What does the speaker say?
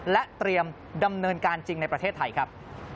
และเตรียมดำเนินการจริงในประเทศไทยครับ